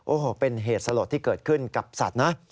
โอ้โหเป็นเหตุสลดที่เกิดขึ้นกับสัตว์นะ